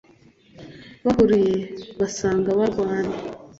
bahuruye basanga barwana